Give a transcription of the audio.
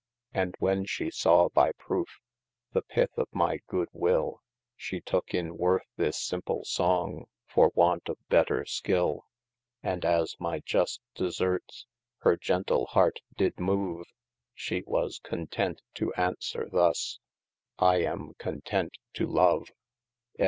And when she sawe by proofe, the pith of my good will, She tooke in worth this simple song, for want of better skill : And as my just deserts, hir gentle hart did move, She was content to answere thus : I am content to love.